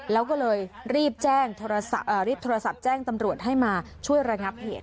แล้วก็เลยรีบแจ้งรีบโทรศัพท์แจ้งตำรวจให้มาช่วยระงับเหตุ